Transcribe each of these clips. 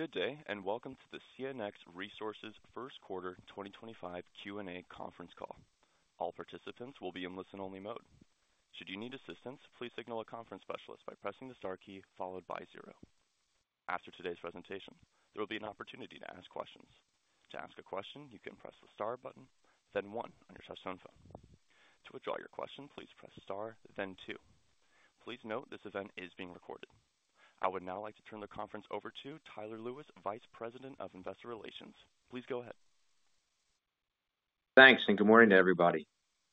Good day, and welcome to the CNX Resources First Quarter 2025 Q&A conference call. All participants will be in listen-only mode. Should you need assistance, please signal a conference specialist by pressing the star key followed by zero. After today's presentation, there will be an opportunity to ask questions. To ask a question, you can press the star button, then one on your touch-tone phone. To withdraw your question, please press star, then two. Please note this event is being recorded. I would now like to turn the conference over to Tyler Lewis, Vice President of Investor Relations. Please go ahead. Thanks, and good morning to everybody.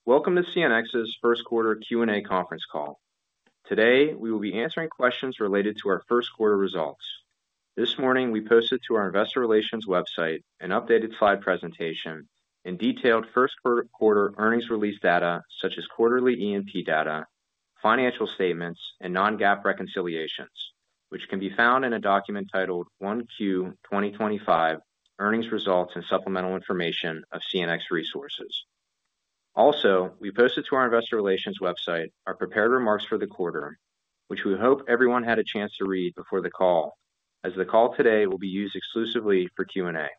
Welcome to CNX's first quarter Q&A conference call. Today, we will be answering questions related to our first quarter results. This morning, we posted to our Investor Relations website an updated slide presentation and detailed first quarter earnings release data such as quarterly E&P data, financial statements, and non-GAAP reconciliations, which can be found in a document titled 1Q2025: Earnings Results and Supplemental Information of CNX Resources. Also, we posted to our Investor Relations website our prepared remarks for the quarter, which we hope everyone had a chance to read before the call, as the call today will be used exclusively for Q&A.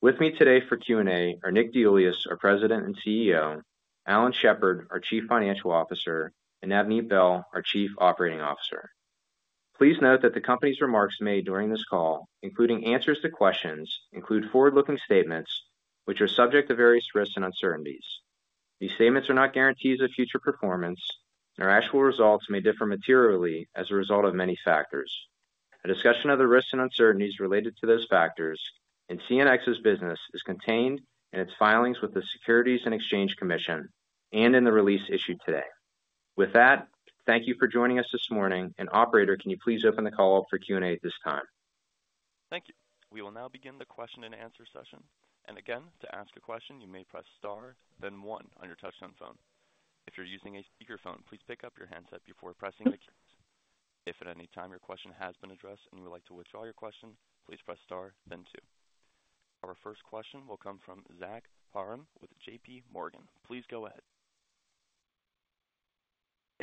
With me today for Q&A are Nick DeIuliis, our President and CEO; Alan Shepard, our Chief Financial Officer; and Navneet Behl, our Chief Operating Officer. Please note that the company's remarks made during this call, including answers to questions, include forward-looking statements, which are subject to various risks and uncertainties. These statements are not guarantees of future performance, and our actual results may differ materially as a result of many factors. A discussion of the risks and uncertainties related to those factors in CNX's business is contained in its filings with the Securities and Exchange Commission and in the release issued today. With that, thank you for joining us this morning. Operator, can you please open the call up for Q&A at this time? Thank you. We will now begin the question-and-answer session. To ask a question, you may press star, then one on your touch-tone phone. If you're using a speakerphone, please pick up your handset before pressing the keys. If at any time your question has been addressed and you would like to withdraw your question, please press star, then two. Our first question will come from Zach Parham with JPMorgan. Please go ahead.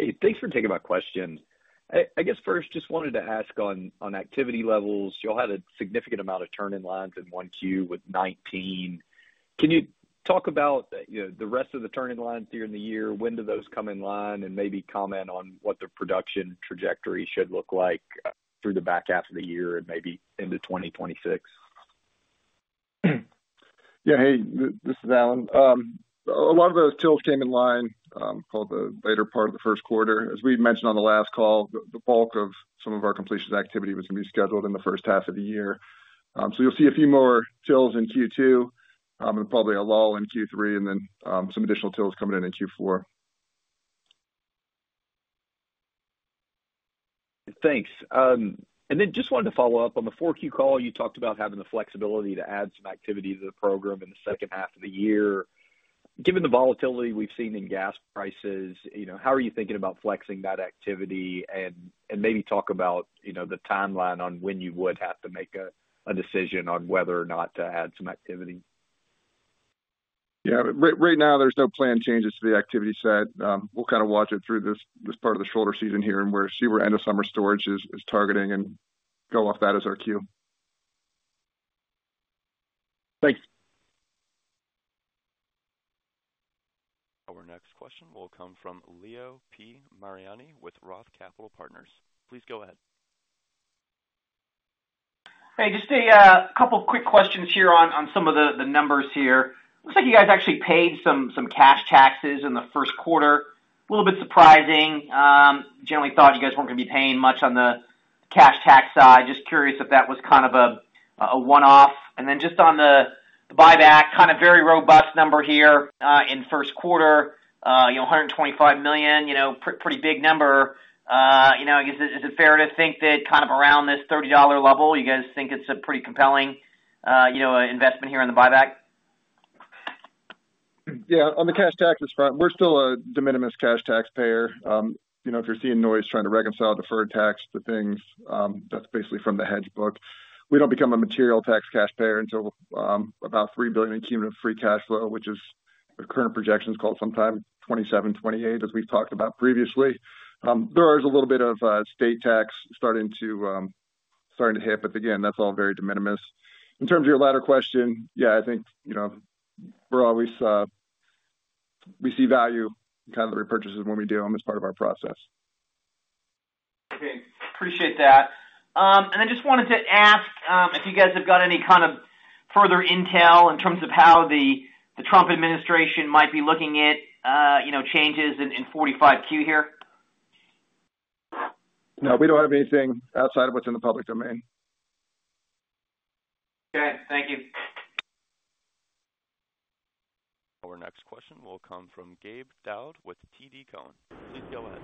Hey, thanks for taking my question. I guess first, just wanted to ask on activity levels. You all had a significant amount of turn-in lines in 1Q with 19. Can you talk about the rest of the turn-in lines during the year? When do those come in line? Maybe comment on what the production trajectory should look like through the back half of the year and maybe into 2026? Yeah, hey, this is Alan. A lot of those TILs came in line for the later part of the first quarter. As we mentioned on the last call, the bulk of some of our completions activity was going to be scheduled in the first half of the year. You will see a few more TILs in Q2 and probably a lull in Q3, and then some additional TILs coming in in Q4. Thanks. I just wanted to follow up on the 4Q call. You talked about having the flexibility to add some activity to the program in the second half of the year. Given the volatility we have seen in gas prices, how are you thinking about flexing that activity? Maybe talk about the timeline on when you would have to make a decision on whether or not to add some activity. Yeah, right now, there's no planned changes to the activity set. We'll kind of watch it through this part of the shoulder season here and see where end-of-summer storage is targeting and go off that as our cue. Thanks. Our next question will come from Leo P. Mariani with Roth Capital Partners. Please go ahead. Hey, just a couple of quick questions here on some of the numbers here. Looks like you guys actually paid some cash taxes in the first quarter. A little bit surprising. Generally thought you guys weren't going to be paying much on the cash tax side. Just curious if that was kind of a one-off. Then just on the buyback, kind of very robust number here in first quarter, $125 million, pretty big number. Is it fair to think that kind of around this $30 level, you guys think it's a pretty compelling investment here in the buyback? Yeah, on the cash taxes front, we're still a de minimis cash tax payer. If you're seeing noise trying to reconcile deferred tax to things, that's basically from the hedge book. We don't become a material tax cash payer until about $3 billion accumulative free cash flow, which is the current projection is called sometime 2027-2028, as we've talked about previously. There is a little bit of state tax starting to hit, but again, that's all very de minimis. In terms of your latter question, yeah, I think we see value in kind of the repurchases when we do them as part of our process. Okay, appreciate that. I just wanted to ask if you guys have got any kind of further intel in terms of how the Trump administration might be looking at changes in 45Q here? No, we don't have anything outside of what's in the public domain. Okay, thank you. Our next question will come from Gabe Daoud with TD Cowen. Please go ahead.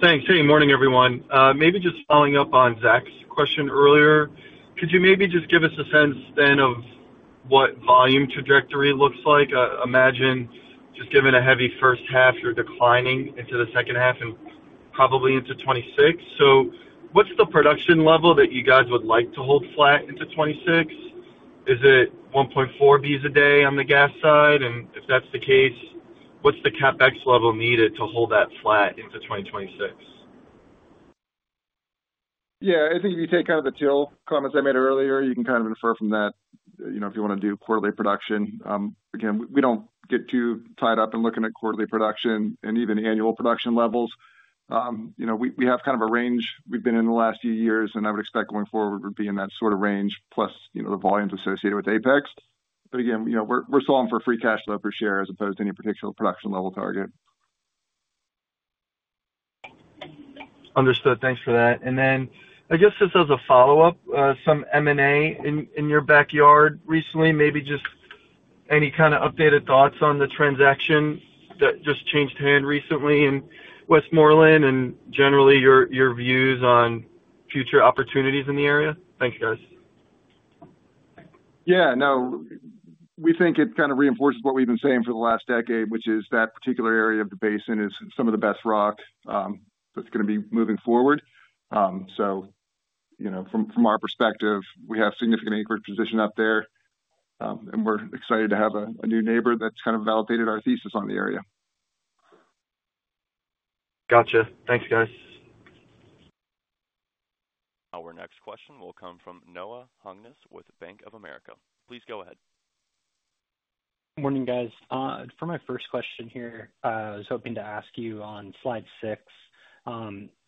Thanks. Hey, morning, everyone. Maybe just following up on Zach's question earlier, could you maybe just give us a sense then of what volume trajectory looks like? Imagine just given a heavy first half, you're declining into the second half and probably into 2026. What is the production level that you guys would like to hold flat into 2026? Is it 1.4 bcf a day on the gas side? If that's the case, what is the CapEx level needed to hold that flat into 2026? Yeah, I think if you take kind of the TIL comments I made earlier, you can kind of infer from that if you want to do quarterly production. Again, we do not get too tied up in looking at quarterly production and even annual production levels. We have kind of a range we have been in the last few years, and I would expect going forward we are being in that sort of range plus the volumes associated with Apex. Again, we are solving for free cash flow per share as opposed to any particular production level target. Understood. Thanks for that. I guess just as a follow-up, some M&A in your backyard recently, maybe just any kind of updated thoughts on the transaction that just changed hand recently in Westmoreland and generally your views on future opportunities in the area? Thanks, guys. Yeah, no, we think it kind of reinforces what we've been saying for the last decade, which is that particular area of the basin is some of the best rock that's going to be moving forward. From our perspective, we have significant acreage position up there, and we're excited to have a new neighbor that's kind of validated our thesis on the area. Got you. Thanks, guys. Our next question will come from Noah Hungness with Bank of America. Please go ahead. Morning, guys. For my first question here, I was hoping to ask you on slide six.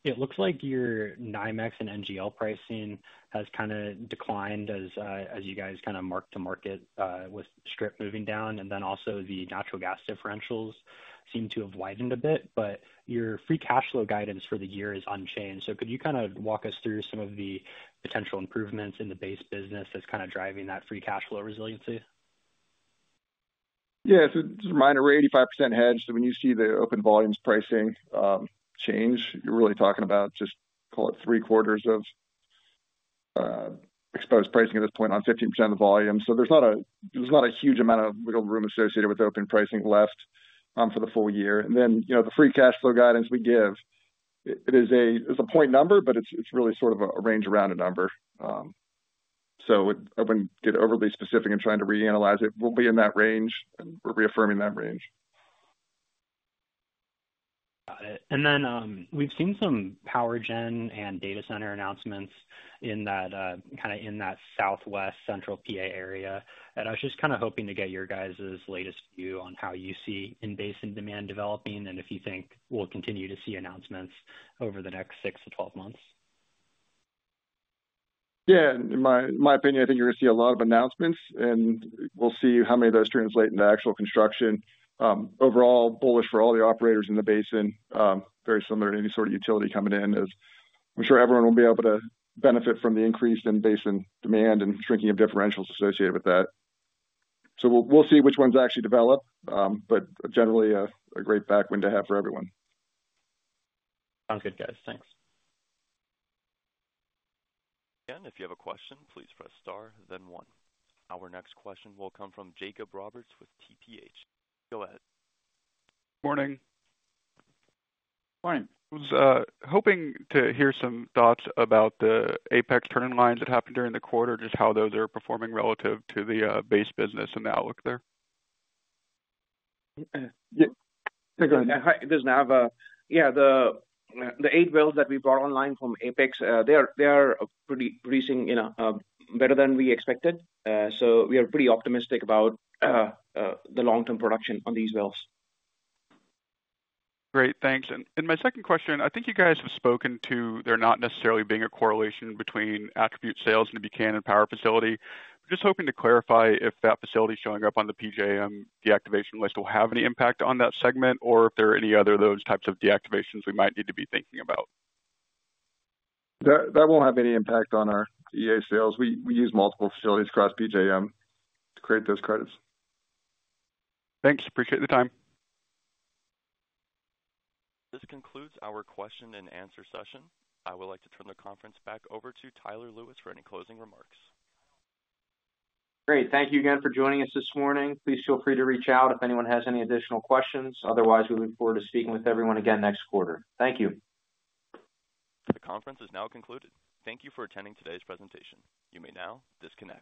It looks like your NYMEX and NGL pricing has kind of declined as you guys kind of marked to market with strip moving down, and then also the natural gas differentials seem to have widened a bit, but your free cash flow guidance for the year is unchanged. Could you kind of walk us through some of the potential improvements in the base business that's kind of driving that free cash flow resiliency? Yeah, just a reminder, we're 85% hedged, so when you see the open volumes pricing change, you're really talking about just, call it, three-quarters of exposed pricing at this point on 15% of the volume. There is not a huge amount of wiggle room associated with open pricing left for the full year. The free cash flow guidance we give, it is a point number, but it's really sort of a range around a number. I wouldn't get overly specific in trying to reanalyze it. We'll be in that range, and we're reaffirming that range. Got it. We have seen some power gen and data center announcements kind of in that southwest central Pennsylvania area. I was just kind of hoping to get your guys' latest view on how you see in basin demand developing and if you think we will continue to see announcements over the next 6 months-12 months. Yeah, in my opinion, I think you're going to see a lot of announcements, and we'll see how many of those translate into actual construction. Overall, bullish for all the operators in the basin, very similar to any sort of utility coming in, as I'm sure everyone will be able to benefit from the increase in basin demand and shrinking of differentials associated with that. We will see which ones actually develop, but generally a great back window to have for everyone. Sounds good, guys. Thanks. Again, if you have a question, please press star, then one. Our next question will come from Jacob Roberts with TPH. Go ahead. Morning. Morning. I was hoping to hear some thoughts about the Apex turn-in lines that happened during the quarter, just how those are performing relative to the base business and the outlook there. Yeah, go ahead. Hi, this is Nav. Yeah, the eight wells that we brought online from Apex, they are producing better than we expected. We are pretty optimistic about the long-term production on these wells. Great, thanks. My second question, I think you guys have spoken to there not necessarily being a correlation between attribute sales and a Buchanan Power facility. I'm just hoping to clarify if that facility showing up on the PJM deactivation list will have any impact on that segment or if there are any other of those types of deactivations we might need to be thinking about. That won't have any impact on our EA sales. We use multiple facilities across PJM to create those credits. Thanks. Appreciate the time. This concludes our question-and-answer session. I would like to turn the conference back over to Tyler Lewis for any closing remarks. Great. Thank you again for joining us this morning. Please feel free to reach out if anyone has any additional questions. Otherwise, we look forward to speaking with everyone again next quarter. Thank you. The conference is now concluded. Thank you for attending today's presentation. You may now disconnect.